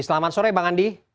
selamat sore bang andi